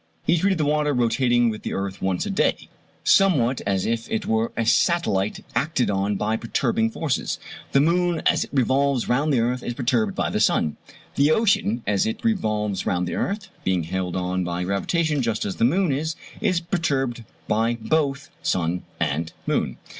He treated the water, rotating with the earth once a day, somewhat as if it were a satellite acted on by perturbing forces. The moon as it revolves round the earth is perturbed by the sun. The ocean as it revolves round the earth (being held on by gravitation just as the moon is) is perturbed by both sun and moon.